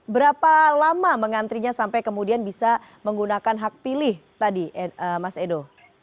berapa lama mengantrinya sampai kemudian bisa menggunakan hak pilih tadi mas edo